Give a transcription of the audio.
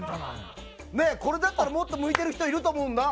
これだったらもっと向いている人いると思うんだ。